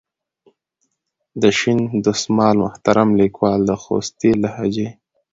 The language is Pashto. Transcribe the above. د شین دسمال محترم لیکوال د خوستي لهجې.